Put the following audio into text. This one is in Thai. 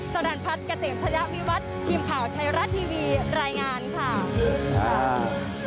สรรพัฒน์เกษมธยวิวัฒน์ทีมข่าวไทยรัฐทีวีรายงานค่ะ